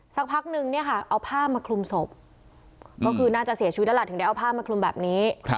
สักพักนึงเนี่ยค่ะเอาผ้ามาคลุมศพก็คือน่าจะเสียชีวิตแล้วล่ะถึงได้เอาผ้ามาคลุมแบบนี้